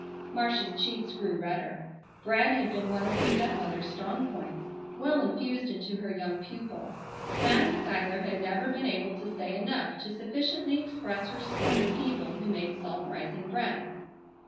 Marcia's cheeks grew redder. Bread had been one of her stepmother's strong points, well infused into her young pupil. Madam Schuyler had never been able to say enough to sufficiently express her scorn of people who made salt rising bread.